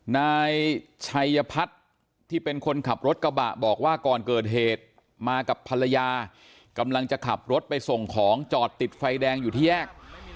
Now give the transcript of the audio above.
นายชัยพัฒน์ที่เป็นคนขับรถกระบะบอกว่าก่อนเกิดเหตุมากับภรรยากำลังจะขับรถไปส่งของจอดติดไฟแดงอยู่ที่แยก